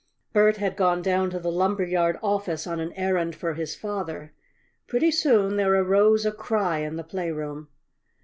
Bert had gone down to the lumberyard office on an errand for his father. Pretty soon there arose a cry in the playroom.